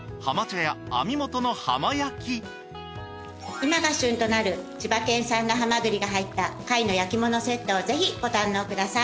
今が旬となる千葉県産のハマグリが入った貝の焼き物セットをぜひご堪能ください。